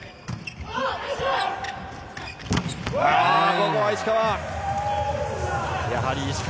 ここは石川！